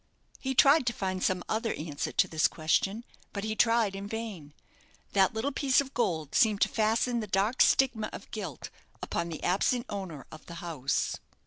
He tried to find some other answer to this question; but he tried in vain. That little piece of gold seemed to fasten the dark stigma of guilt upon the absent owner of the house.